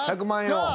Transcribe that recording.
１００万円を。